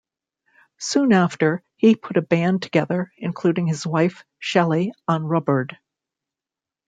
Soon after, he put a band together, including his wife, Shelly on rubboard.